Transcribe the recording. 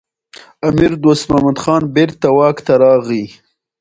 امیر دوست محمد خان بیرته واک ته راغی.